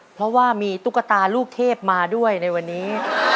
เพราะว่ามีตุ๊กตาลูกเทพมาด้วยในวันนี้